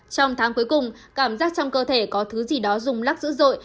trong tháng cuối cùng cảm giác trong cơ thể có thứ gì đó dùng lắc dữ dội